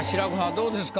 どうですか？